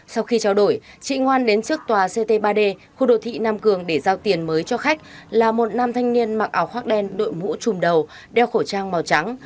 sau khi trao đổi chị ngoan đến trước tòa ct ba d khu đô thị nam cường để giao tiền mới cho khách là một nam thanh niên mặc áo khoác đen đội mũ trùm đầu đeo khẩu trang màu trắng